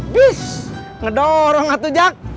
abis ngedorong gak tuh jak